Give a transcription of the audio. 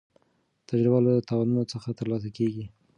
تجربه له تاوانونو څخه ترلاسه کېږي.